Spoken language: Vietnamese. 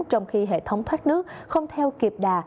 trong khi hệ thống thoát nước không theo kịp đà